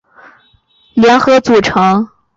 姊妹岛联合组成。